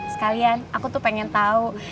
sekalian aku tuh pengen tahu